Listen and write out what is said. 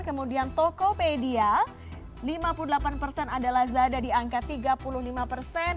kemudian tokopedia lima puluh delapan persen adalah zada di angka tiga puluh lima persen